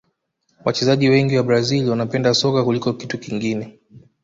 wachezaji wengi wa brazil wanapenda soka kuliko kitu kingine